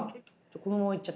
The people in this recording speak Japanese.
このままいっちゃって？